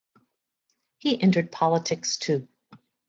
He entered politics too.